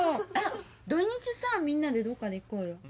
あっ土日さみんなでどっかで行こうよ。